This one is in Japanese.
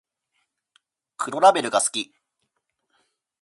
黒ラベルが好き